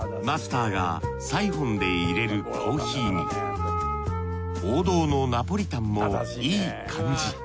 マスターがサイフォンでいれるコーヒーに王道のナポリタンもいい感じ。